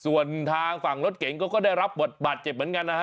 ส่วนทางฝั่งรถเก๋งเขาก็ได้รับบทบาทเจ็บเหมือนกันนะฮะ